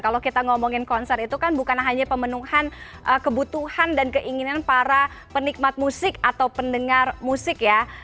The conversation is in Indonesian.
kalau kita ngomongin konser itu kan bukan hanya pemenuhan kebutuhan dan keinginan para penikmat musik atau pendengar musik ya